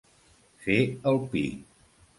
Fer el pi.